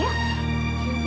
bagaimana yang terjadi ya